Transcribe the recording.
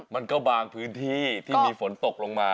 มันก็บางพื้นที่ที่มีฝนตกลงมา